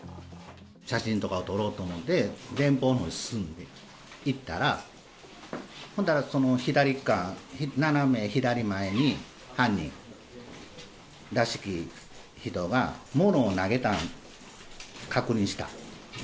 写真とか撮ろうと思って、前方のほうに進んでいったら、ほんだらその左側、斜め左前に犯人らしき人が、物を投げたのを確認した。